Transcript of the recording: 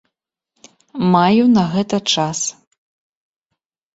Маю на гэта час.